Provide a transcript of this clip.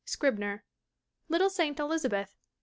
Scribner. Little Saint Elisabeth, 1889.